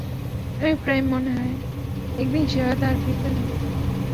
আমার প্রায়ই মনে হয়, একদিন সে হয়তো আর ফিরবে না।